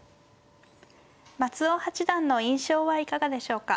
松尾八段の印象はいかがでしょうか。